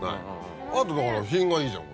あとだから品がいいじゃん。